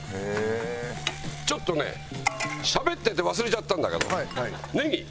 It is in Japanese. ちょっとねしゃべってて忘れちゃったんだけどネギ。